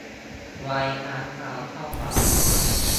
ไว้ล้างเท้าเจ้าบ่าว